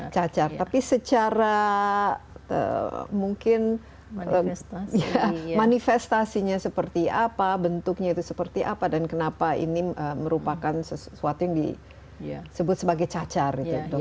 cacar tapi secara mungkin manifestasinya seperti apa bentuknya itu seperti apa dan kenapa ini merupakan sesuatu yang disebut sebagai cacar gitu